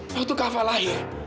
waktu kava lahir